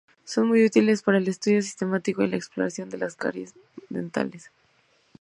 Son muy útiles para el estudio sistemático y la exploración de las caries dentales.